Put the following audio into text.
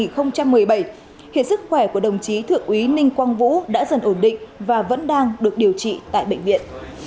khiến sức khỏe của đồng chí thượng úy ninh quang vũ đã dần ổn định và vẫn đang được điều trị tại bệnh viện